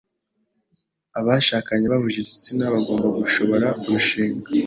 Abashakanye bahuje igitsina bagomba gushobora kurushinga.